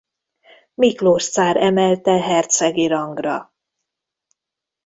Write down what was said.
Miklós cár emelte hercegi rangra.